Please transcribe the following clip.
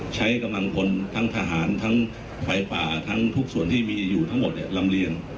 ใช้กำลังพลทั้งทหารทั้งไฟป่าทั้งทุกส่วนที่มีอยู่ทั้งหมดลำเลียง